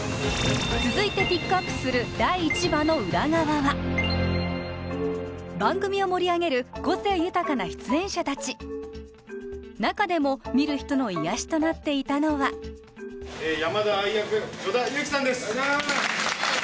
続いてピックアップする第１話の裏側は番組を盛り上げる個性豊かな出演者達中でも見る人の癒やしとなっていたのは・ええ山田愛役与田祐希さんです